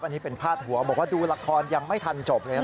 อันนี้เป็นพาดหัวบอกว่าดูละครยังไม่ทันจบเลยนะ